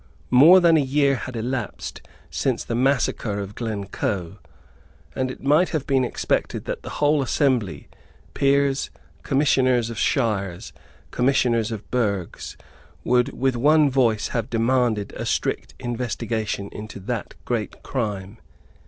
More than a year had elapsed since the massacre of Glencoe; and it might have been expected that the whole assembly, peers, commissioners of shires, commissioners of burghs, would with one voice have demanded a strict investigation into that great crime.